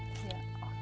ini sudah jadi